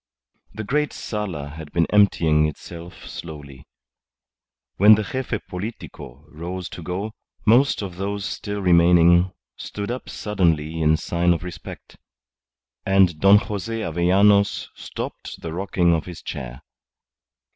The great sala had been emptying itself slowly. When the Gefe Politico rose to go, most of those still remaining stood up suddenly in sign of respect, and Don Jose Avellanos stopped the rocking of his chair.